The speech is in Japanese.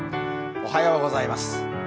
おはようございます。